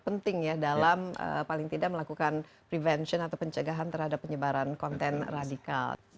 penting ya dalam paling tidak melakukan prevention atau pencegahan terhadap penyebaran konten radikal